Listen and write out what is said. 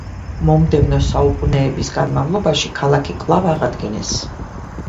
მომდევნო საუკუნეების განმავლობაში ქალაქი კვლავ აღადგინეს.